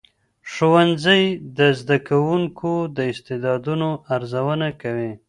ښوونځي د زدهکوونکو د استعدادونو ارزونه کوي.